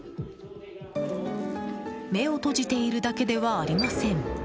目を閉じているだけではありません。